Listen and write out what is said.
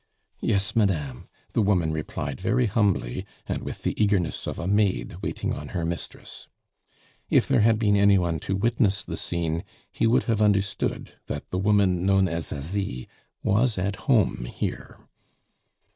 "Yes, madame," the woman replied very humbly, and with the eagerness of a maid waiting on her mistress. If there had been any one to witness the scene, he would have understood that the woman known as Asie was at home here.